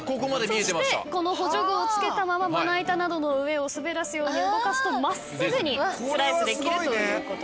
そしてこの補助具を付けたまままな板などの上を滑らすように動かすと真っすぐにスライスできるということです。